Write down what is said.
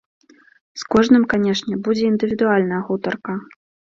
З кожным, канешне, будзе індывідуальная гутарка.